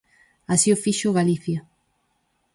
Así o fixo Galicia.